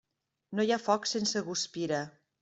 No hi ha foc sense guspira.